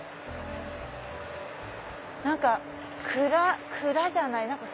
何か蔵蔵じゃない。